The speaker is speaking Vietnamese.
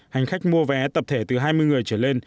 hành khách mua vé tập thể từ hai mươi người trở lên